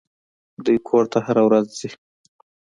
دوى کور ته هره ورځ ځي.